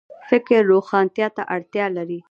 فکر روښانتیا ته اړتیا لري